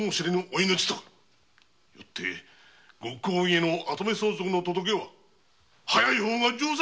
よってご公儀への跡目相続の届けは早い方が上策であろう！